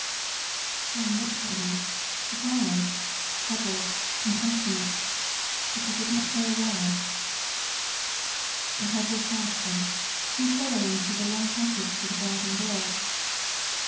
John looked at me surprised, troubled, compassionate but he did not say a word. I hobbled past him; he following through the long passage to the garden door.